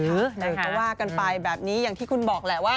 ก็ว่ากันไปแบบนี้อย่างที่คุณบอกแหละว่า